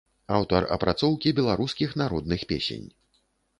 Аўтар апрацоўкі беларускіх народных песень.